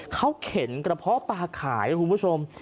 เขาเข็นกระเพาะปลาขายครับคุณผู้ชม